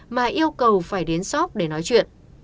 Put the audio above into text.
mà yêu cầu phải đến sop để nói chuyện